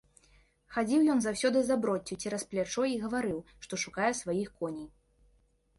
Хадзіў ён заўсёды з аброццю цераз плячо і гаварыў, што шукае сваіх коней.